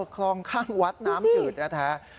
คลองข้างวัดน้ำจืดแท้